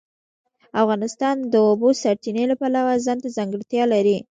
افغانستان د د اوبو سرچینې د پلوه ځانته ځانګړتیا لري.